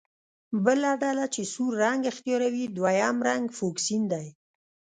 بله ډله چې سور رنګ اختیاروي دویم رنګ فوکسین دی.